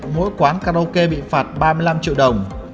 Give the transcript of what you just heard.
mỗi quán karaoke bị phạt ba mươi năm triệu đồng